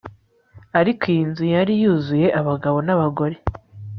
ariko iyo nzu yari yuzuye abagabo n abagore